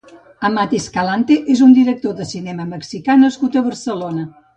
Amat Escalante és un director de cinema mexicà nascut a Barcelona.